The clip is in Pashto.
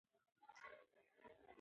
مېوې په بازار کې تازه دي.